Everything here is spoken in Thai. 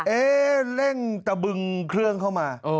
เร่งตะบึงเครื่องเข้ามา